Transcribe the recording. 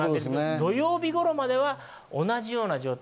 土曜日頃までは同じような状態。